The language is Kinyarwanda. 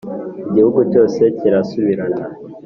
Igihugu cyose kirasubirana